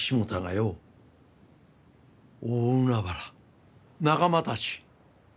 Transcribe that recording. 大海原仲間たち！